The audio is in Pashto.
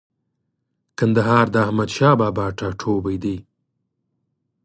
کندهار د احمدشاه بابا ټاټوبۍ دی.